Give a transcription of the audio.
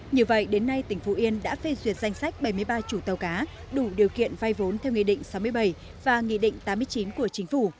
như vậy đến nay tỉnh phú yên đã phê duyệt danh sách bảy mươi ba chủ tàu cá đủ điều kiện vay vốn theo nghị định sáu mươi bảy và nghị định tám mươi chín của chính phủ